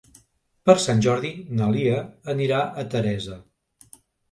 Per Sant Jordi na Lia anirà a Teresa.